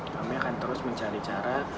kami akan terus mencari cara